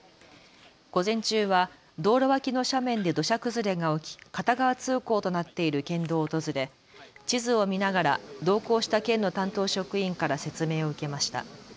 午前中は道路脇の斜面で土砂崩れが起き片側通行となっている県道を訪れ、地図を見ながら同行した県の担当職員から説明を受けました。